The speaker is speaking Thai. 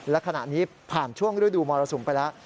และขณะนี้ผ่านช่วงฤดูมรสุมไปแล้ว